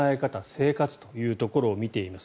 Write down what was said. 生活というのを見ています。